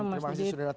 selamat malam mas nidid